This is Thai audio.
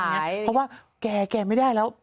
เพราะว่าแก่ไม่ได้แล้ว